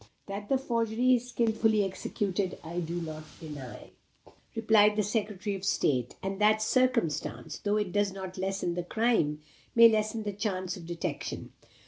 "That the forgery is skilfully executed, I do not deny," replied the Secretary of State; "and that circumstance, though it does not lessen the crime, may lessen the chance of detection.